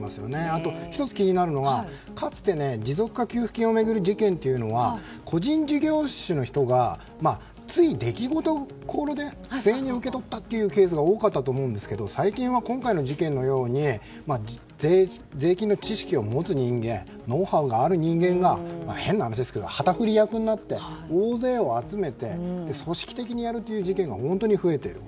あと１つ気になるのはかつて持続化給付金を巡る事件というのは個人事業主の人が、つい出来心で不正に受け取ったというケースが多かったと思うんですが最近は今回の事件のように税金の知識を持つ人間ノウハウがある人間が変な話ですが旗振り役になって、大勢を集めて組織的にやるという事件が本当に増えている。